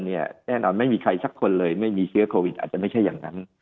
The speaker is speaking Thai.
แน่นอนไม่มีใครสักคนเลยไม่มีเชื้อโควิดอาจจะไม่ใช่อย่างนั้น